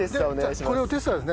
これをテスターですね。